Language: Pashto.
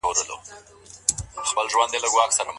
د ثابت بن قيس د ميرمني خلع د څه دليل ده؟